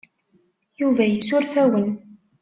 Yuba yessuref-awen.